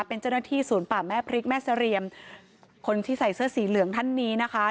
เป็นเจ้าหน้าที่ศูนย์ป่าแม่พริกแม่เสรียมคนที่ใส่เสื้อสีเหลืองท่านนี้นะคะ